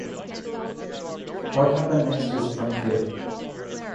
What happened next is unclear.